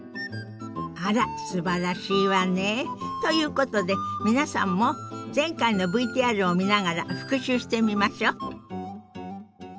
あらすばらしいわね。ということで皆さんも前回のＶＴＲを見ながら復習してみましょ。